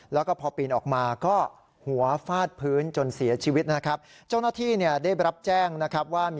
แล้วก็พอปีนออกมาก็หัวฟาดพื้นจนเสียชีวิตนะครับ